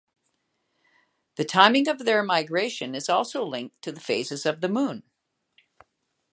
The timing of their migration is also linked to the phases of the moon.